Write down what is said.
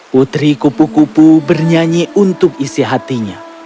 putri kupu kupu bernyanyi untuk isi hatinya